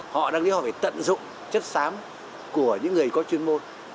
họ đáng lý họ phải tận dụng chất xám của những người có chuyên môn